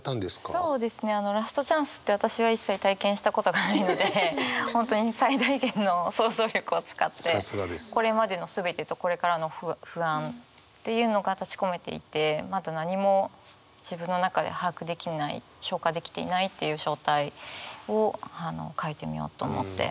そうですねあのラストチャンスって私は一切体験したことがないので本当に最大限の想像力を使ってこれまでの全てとこれからの不安っていうのが立ちこめていてまだ何も自分の中で把握できない消化できていないっていう状態を書いてみようと思って。